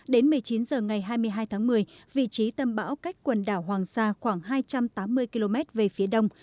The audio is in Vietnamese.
đến một mươi chín h ngày hai mươi hai tháng một mươi vị trí tâm bão cách quần đảo hoàng sa khoảng hai trăm tám mươi km về phía đông